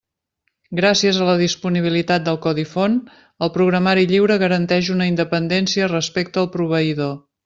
Gràcies a la disponibilitat del codi font, el programari lliure garanteix una independència respecte al proveïdor.